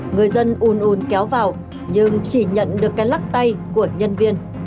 người dân un un kéo vào nhưng chỉ nhận được cái lắc tay của nhân viên